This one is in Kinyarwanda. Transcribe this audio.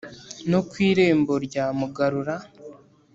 No ku irembo rya Mugarura.